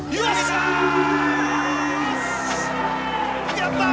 やった！